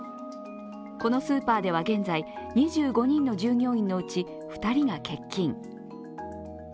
このスーパーでは現在、２５人の従業員のうち２人が欠勤。